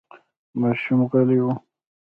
ماشوم غلی و.